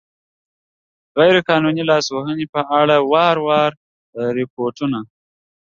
د غیر قانوني لاسوهنو په اړه په وار وار ریپوټون